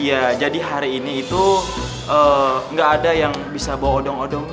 iya jadi hari ini itu nggak ada yang bisa bawa odong odong